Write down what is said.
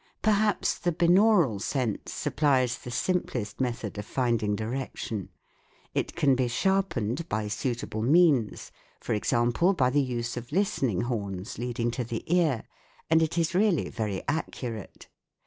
Perhaps the binaural sense supplies the simplest method of finding direction ; it can be sharpened by suitable means for example, by the use of listening horns leading to the ear and it is really very accurate.